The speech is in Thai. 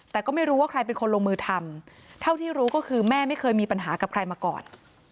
แต่ก็ไม่รู้ว่าใครเป็นคนลงมือทำเท่าที่รู้ก็คือแม่ไม่เคยมีปัญหากับใครมาก่อน